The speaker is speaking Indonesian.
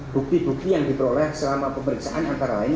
bukti bukti yang diperoleh selama pemeriksaan antara lain